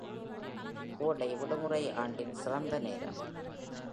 கோடை விடுமுறை ஆண்டின் சிறந்த நேரம்!